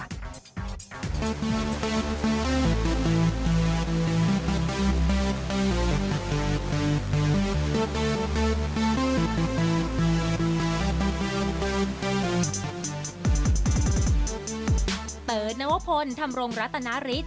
เติร์ดนวพลทำรงรัตนาริส